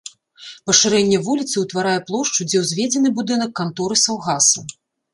Пашырэнне вуліцы ўтварае плошчу, дзе ўзведзены будынак канторы саўгаса.